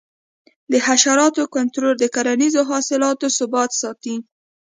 د حشراتو کنټرول د کرنیزو حاصلاتو ثبات ساتي.